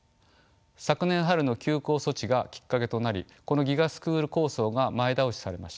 昨年春の休校措置がきっかけとなりこのＧＩＧＡスクール構想が前倒しされました。